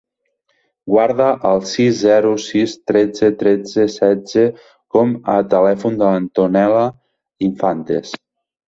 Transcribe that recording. Guarda el sis, zero, sis, tretze, tretze, setze com a telèfon de l'Antonella Infantes.